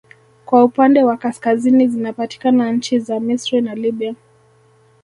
Kwa upande wa kaskazini zinapatikana nchi za Misri na Libya